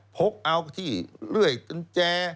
พกเอาที่เลื่อยกุญแจ